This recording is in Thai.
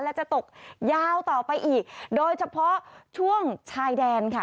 และจะตกยาวต่อไปอีกโดยเฉพาะช่วงชายแดนค่ะ